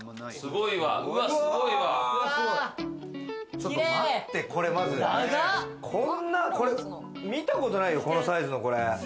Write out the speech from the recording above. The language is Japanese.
ちょっと待って、これ、見たことないよ、このサイズのこれ。